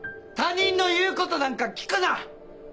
他人の言うことなんか聞くな！